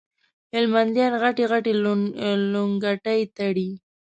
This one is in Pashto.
هلمنديان غټي غټي لنګوټې تړي